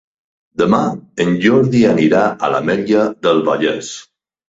Demà en Jordi anirà a l'Ametlla del Vallès.